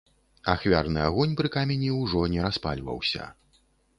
Ахвярны агонь пры камені ўжо не распальваўся.